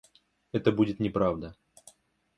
Это будет неправда.